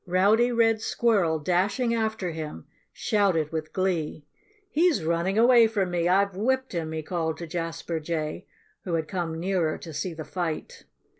Rowdy Red Squirrel, dashing after him, shouted with glee. "He's running away from me! I've whipped him!" he called to Jasper Jay, who had come nearer, to see the fight.